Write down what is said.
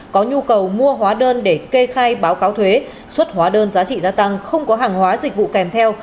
có nhu cầu mua hóa đơn để kê khai báo cáo thuế xuất hóa đơn giá trị gia tăng không có hàng hóa dịch vụ kèm theo